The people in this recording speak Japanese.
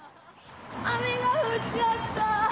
雨が降っちゃった。